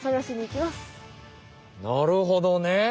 なるほどね。